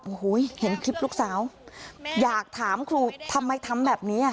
โอ้โหเห็นคลิปลูกสาวอยากถามครูทำไมทำแบบนี้อ่ะ